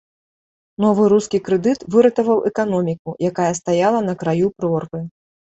Новы рускі крэдыт выратаваў эканоміку, якая стаяла на краю прорвы.